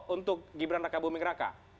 untuk gibran raka buming raka